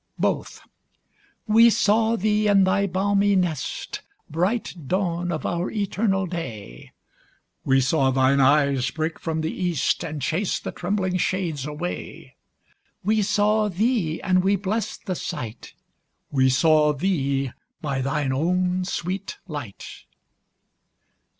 Both. We saw thee in thy balmy nest, Bright dawn of our eternal day; We saw thine eyes break from the east, And chase the trembling shades away: We saw thee (and we blest the sight) We saw thee by thine own sweet light.